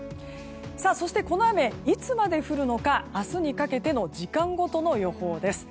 そして、この雨いつまで降るのか明日にかけての時間ごとの予報です。